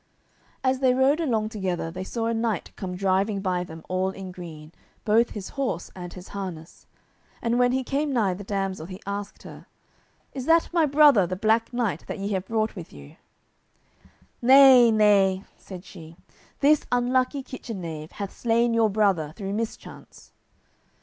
As they rode along together they saw a knight come driving by them all in green, both his horse and his harness; and when he came nigh the damsel he asked her, "Is that my brother the Black Knight that ye have brought with you?" "Nay, nay," said she, "this unlucky kitchen knave hath slain your brother through mischance."